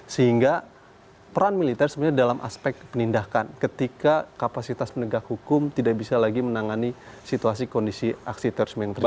sehingga peran militer sebenarnya dalam aspek penindakan ketika kapasitas penegak hukum tidak bisa lagi menangani situasi kondisi aksi terorisme yang terjadi